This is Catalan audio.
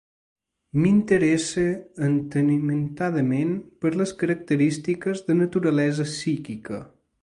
M'interesse entenimentadament per les característiques de naturalesa psíquica.